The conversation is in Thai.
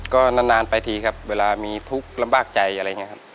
ก็นานไปทีครับเวลามีทุกข์ลำบากใจอะไรอย่างนี้ครับ